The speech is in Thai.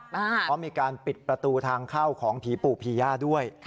เพราะมีการปิดประตูทางเข้าของผีปู่ผีย่าด้วย